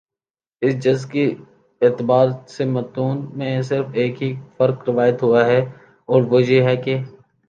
اس جز کے اعتبار سے متون میں صرف ایک ہی فرق روایت ہوا ہے اور وہ یہ ہے کہ